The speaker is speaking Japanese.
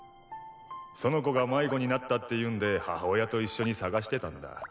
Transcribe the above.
その子が迷子になったっていうんで母親と一緒に捜してたんだ。